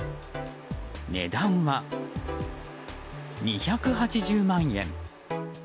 値段は２８０万円。